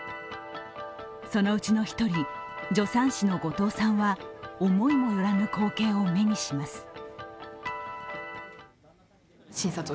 そのうちの一人、助産師の後藤さんは思いも寄らぬ光景を目にします。